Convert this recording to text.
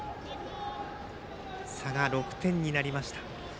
差が６点になりました。